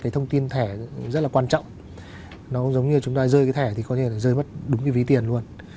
thông tin thẻ rất là quan trọng nó giống như chúng ta rơi cái thẻ thì có thể rơi mất đúng cái ví tiền luôn